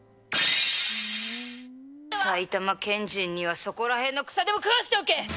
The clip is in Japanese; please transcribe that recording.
埼玉県人にはそこら辺の草でも食わせておけ！